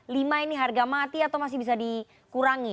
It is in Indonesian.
lima ini harga mati atau masih bisa dikurangi